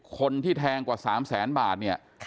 ๕๐คนที่แทงกว่า๓แสนบาทเนี่ย